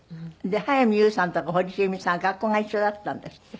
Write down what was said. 早見優さんとか堀ちえみさんは学校が一緒だったんですって？